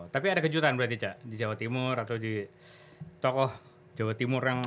tapi ada kejutan berarti cak di jawa timur atau di tokoh jawa timur yang